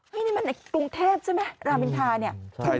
นี่มันในกรุงเทพใช่ไหมรามินทาเนี่ย